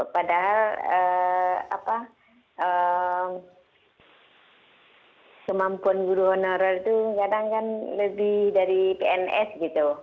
padahal kemampuan guru honorer itu kadang kan lebih dari pns gitu